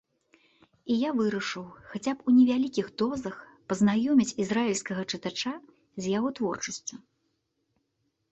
І я вырашыў хаця б у невялікіх дозах пазнаёміць ізраільскага чытача з яго творчасцю.